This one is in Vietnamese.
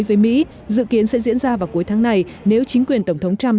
các thương mại mới với mỹ dự kiến sẽ diễn ra vào cuối tháng này nếu chính quyền tổng thống trump